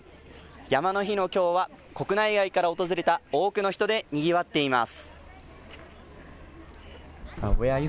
山の日のきょうは国内外から訪れた多くの人でにぎわっています。